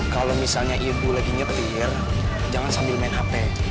kalau misalnya ibu lagi nyetir jangan sambil main hp